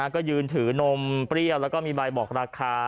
ก็ยืนถือนมเปรี้ยวแล้วก็มีใบบอกราคา